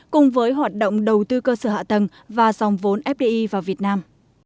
cùng với hoạt động đầu tư cơ sở hạ tầng và dòng vốn fdi vào việt nam